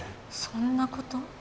そんなこと？